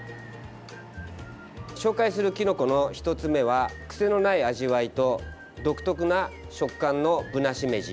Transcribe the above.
紹介する、きのこの１つ目は癖のない味わいと、独特な食感のぶなしめじ。